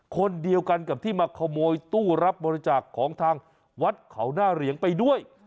คนเดียวกันกับที่มาขโมยตู้รับบริจาคของทางวัดเขาหน้าเหรียงไปด้วย